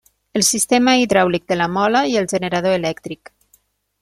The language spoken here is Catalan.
El sistema hidràulic de la mola i el generador elèctric.